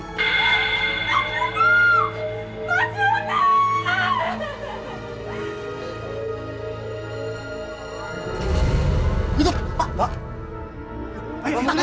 pak junet pak junet